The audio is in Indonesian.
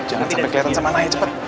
jangan sampai kelihatan sama naya cepet